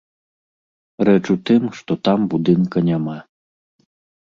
Рэч у тым, што там будынка няма.